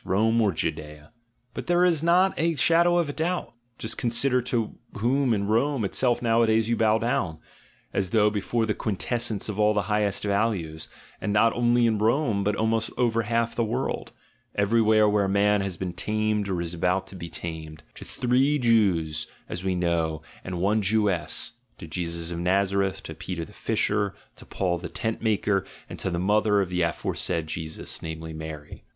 Rome or Judaea? but there is not a shadow of doubt; just con sider to whom in Rome itself nowadays you bow down, as though before the quintessence of all the highest values "GOOD AND EVIL," "GOOD AND BAD" 37 — and not only in Rome, but almost over half the world, everywhere where man has been tamed or is about to be tamed — to three Jews, as we know, and one Jewess (to Jesus of Nazareth, to Peter the fisher, to Paul the tent maker, and to the mother of the aforesaid Jesus, named Mary).